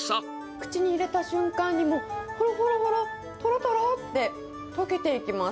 口に入れた瞬間に、もうほろほろほろ、とろとろって、溶けていきます。